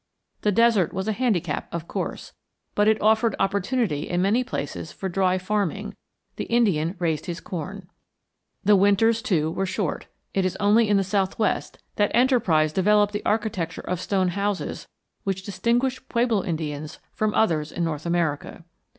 The desert was a handicap, of course, but it offered opportunity in many places for dry farming; the Indian raised his corn. The winters, too, were short. It is only in the southwest that enterprise developed the architecture of stone houses which distinguish pueblo Indians from others in North America.